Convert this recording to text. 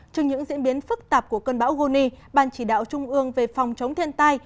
trên những diễn biến phức tạp của cơn bão goni ban chỉ đạo trung ương về phòng chống thiên tai